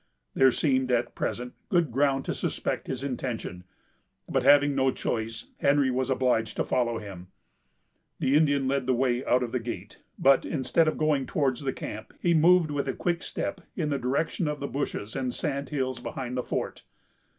There seemed at present good ground to suspect his intention; but, having no choice, Henry was obliged to follow him. The Indian led the way out of the gate; but, instead of going towards the camp, he moved with a quick step in the direction of the bushes and sand hills behind the fort.